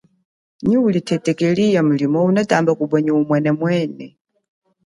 Nyi uli thethekeli wa milimo, inatela kupwa nyi umwene mwene.